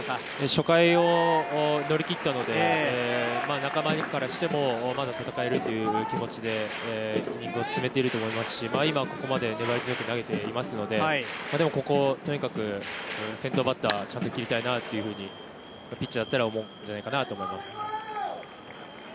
初回を乗り切ったので仲間からしてもまだ戦えるという気持ちでイニングを進めていると思いますしここまで粘り強く投げていますのでここ、とにかく先頭バッターをちゃんと切りたいなとピッチャーだったら思うんじゃないかと思います。